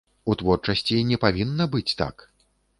У творчасці не павінна быць так.